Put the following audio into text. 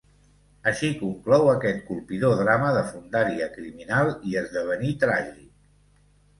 Així conclou aquest colpidor drama de fondària criminal i esdevenir tràgic.